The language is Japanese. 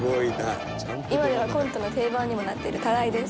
「今ではコントの定番にもなってるタライです」